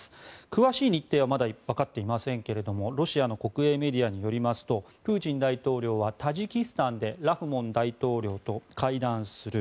詳しい日程はまだわかっていませんがロシアの国営メディアによりますとプーチン大統領はタジキスタンでラフモン大統領と会談する。